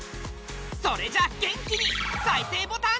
それじゃあ元気に再生ボタン。